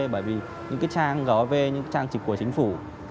bởi vì những trang gov những trang trị của chính phủ